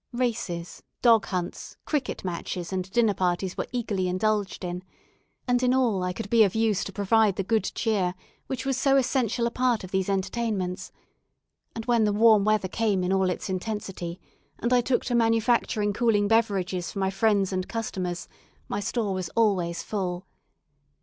Races, dog hunts, cricket matches, and dinner parties were eagerly indulged in, and in all I could be of use to provide the good cheer which was so essential a part of these entertainments; and when the warm weather came in all its intensity, and I took to manufacturing cooling beverages for my friends and customers, my store was always full.